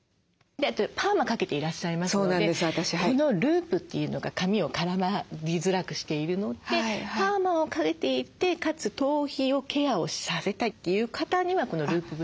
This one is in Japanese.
パーマかけていらっしゃいますのでこのループというのが髪を絡みづらくしているのでパーマをかけていてかつ頭皮をケアをされたいという方にはこのループブラシ。